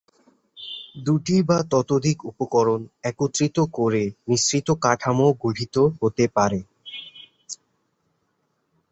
দুটি বা ততোধিক উপকরণ একত্রিত করে মিশ্রিত কাঠামো গঠিত হতে পারে।